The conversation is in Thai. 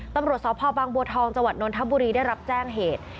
ตำรวจสพบางบัวทองจังหวัดนทบุรีได้รับแจ้งเหตุ